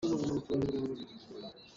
Chungtlik na ngei maw?